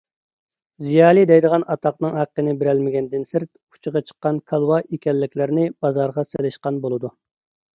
زىيالىي دەيدىغان ئاتاقنىڭ ھەققىنى بېرەلمىگەندىن سىرت ئۇچىغا چىققان كالۋا ئىكەنلىكلىرىنى بازارغا سېلىشقان بولىدۇ.